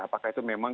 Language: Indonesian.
apakah itu memang